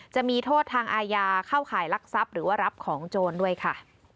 จะมีโทษทางอาญาเข้าข่ายลักทรัพย์หรือว่ารับของโจรด้วยค่ะ